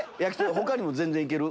他も全然いける？